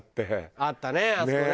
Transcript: あったねあそこね。